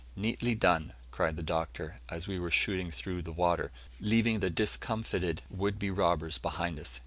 "Neatly done," cried the Doctor, as we were shooting through the water, leaving the discomfited would be robbers behind us.